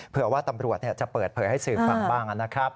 เผื่อว่าตำรวจจะเปิดเผยให้สื่อฟังบ้างนะครับ